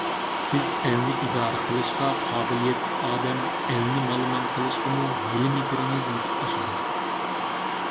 سىز ئەلنى ئىدارە قىلىشقا قابىلىيەتلىك ئادەم، ئەلنى مالىمان قىلىشقىمۇ ھىيلە - مىكرىڭىز يېتىپ ئاشىدۇ!